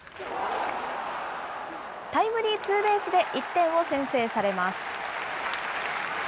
タイムリーツーベースで１点を先制されます。